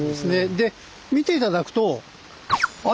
で見て頂くと。